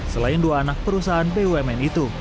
selain dua anak perusahaan bumn itu